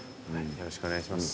よろしくお願いします。